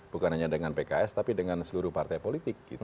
bukan hanya dengan pks tapi dengan seluruh partai politik